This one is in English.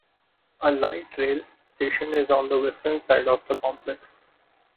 A light rail station is on the western side of the complex.